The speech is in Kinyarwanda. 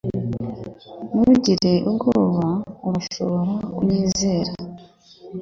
Ntugire ubwoba Urashobora kunyizera